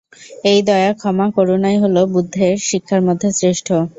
এই দয়া, ক্ষমা, করুণাই হল বুদ্ধের শিক্ষার মধ্যে শ্রেষ্ঠ।